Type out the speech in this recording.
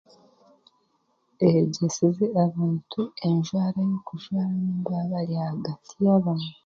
Eyegyesize abantu enjwaara ey'okujwaaramu baba bari ahagati y'abantu.